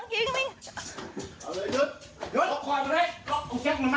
เข้าไปไหน